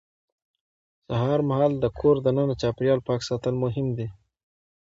سهار مهال د کور دننه چاپېریال پاک ساتل مهم دي